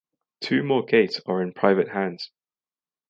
Two more gates are in private hands.